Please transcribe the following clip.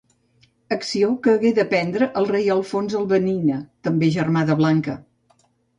Acció que hagué de reprendre el rei Alfons el Benigne, també germà de Blanca.